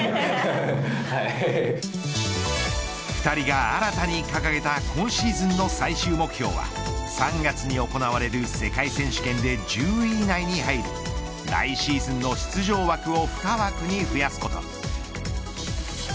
２人が新たに掲げた今シーズンの最終目標は３月に行われる世界選手権で１０位以内に入り来シーズンの出場枠を２枠に増やすこと。